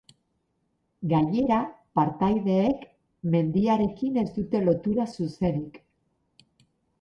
Gainera, partaideek mendiarekin ez dute lotura zuzenik.